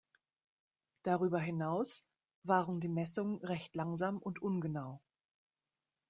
Darüber hinaus waren die Messungen recht langsam und ungenau.